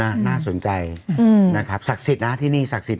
น่าสนใจอืมนะครับศักดิ์สิทธิ์นะที่นี่ศักดิ์สิท